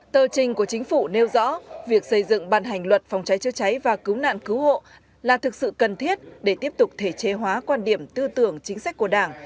tờ trình của chính phủ nêu rõ việc xây dựng bàn hành luật phòng cháy chữa cháy và cứu nạn cứu hộ là thực sự cần thiết để tiếp tục thể chế hóa quan điểm tư tưởng chính sách của đảng